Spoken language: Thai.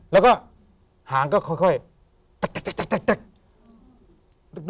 แล้วก็หางก็ค่อยตัก